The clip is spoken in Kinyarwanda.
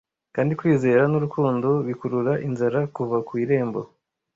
Kandi kwizera n'urukundo bikurura inzara kuva ku irembo;